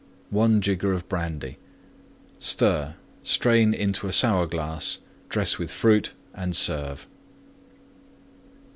1 jigger Brandy. Stir; strain into Sour glass; dress with Fruit and serve.